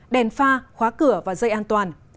đèn pha khóa cửa và dây an toàn